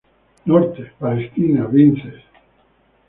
Norte: Palestina, Vinces.